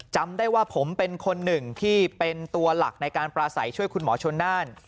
จำได้ว่าผมเป็นคนหนึ่งที่เป็นตัวหลักในการปราศัยช่วยคุณหมอชนน่าน